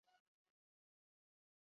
Telebista piztu eta gezurra puztu.